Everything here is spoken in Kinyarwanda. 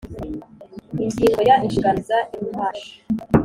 Ingingo ya inshingano za rmh